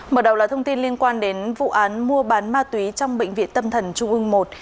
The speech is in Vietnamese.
mở đầu là thông tin liên quan đến vụ án mua bán ma túy trong bệnh viện tâm thần trung ương i